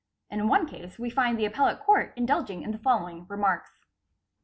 In one case we find the Appellate Court indulging in the following remarks.